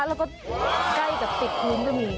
แล้วก็ใกล้กับติดพื้นก็มี